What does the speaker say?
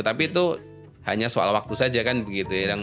tapi itu hanya soal waktu saja kan begitu ya